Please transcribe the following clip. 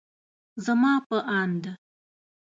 زما په اند